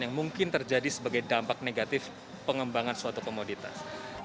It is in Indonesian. yang mungkin terjadi sebagai dampak negatif pengembangan suatu komoditas